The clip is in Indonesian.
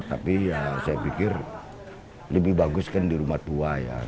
tapi ya saya pikir lebih bagus kan di rumah tua ya